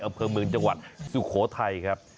อำเภอเมืองจังหวัดสุโขทัยครับ